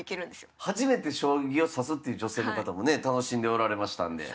初めて将棋を指すっていう女性の方もね楽しんでおられましたんで。